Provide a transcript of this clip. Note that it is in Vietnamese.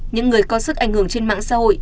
những người có sức ảnh hưởng trên mạng xã hội